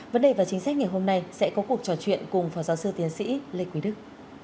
vấn đề và chính sách ngày hôm nay sẽ có cuộc trò chuyện cùng phó giáo sư tiến sĩ lê quý đức